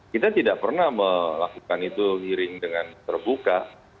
kita tidak pernah melakukan itu hering dengan terbuka